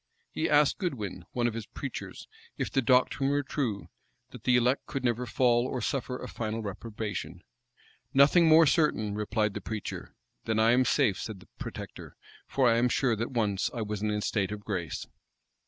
He asked Goodwin, one of his preachers, if the doctrine were true, that the elect could never fall, or suffer a final reprobation. "Nothing more certain," replied the preacher. "Then I am safe," said the protector; "for I am sure that once I was in a state of grace."